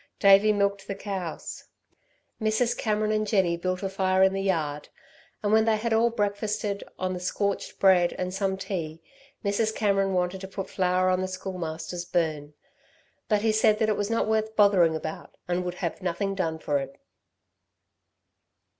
Davey milked the cows. Mrs. Cameron and Jenny built a fire in the yard, and when they had all breakfasted on the scorched bread and some tea, Mrs. Cameron wanted to put flour on the Schoolmaster's burn. But he said that it was not worth bothering about and would have nothing done for it.